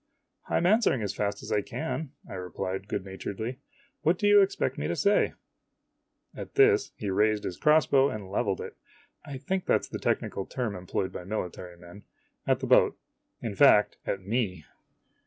" I 'm answering as fast as I can," I replied good naturedly. " What do you expect me to say ?' At this he raised his crossbow and leveled it (I think that is the technical term employed by military men) at the boat, in fact, at me.